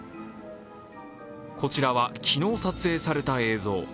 こちらは、昨日撮影された映像。